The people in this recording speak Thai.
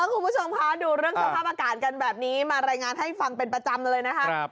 คุณผู้ชมคะดูเรื่องสภาพอากาศกันแบบนี้มารายงานให้ฟังเป็นประจำเลยนะคะ